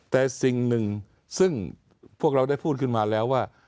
แต่สิ่งหนึ่งซึ่งพวกเราได้พูดขึ้นมาแล้วว่า